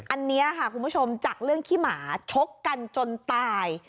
อันนี้ค่ะคุณผู้ชมจากเรื่องขี้หมาชกกันจนตาย